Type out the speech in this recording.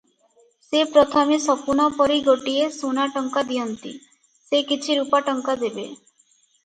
ସେ ପ୍ରଥମେ ଶକୁନ ପରି ଗୋଟିଏ ସୁନାଟଙ୍କା ଦିଅନ୍ତି, ସେ କିଛି ରୂପା ଟଙ୍କା ଦେବେ?